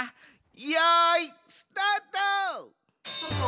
よいスタート！